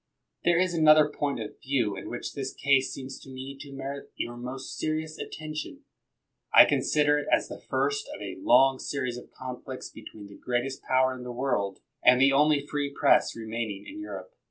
There is another point of view in which this case seems to me to merit your most serious attention. I consider it as the first of a long series of conflicts between the greatest power in the world and the only free Press remaining in Europe.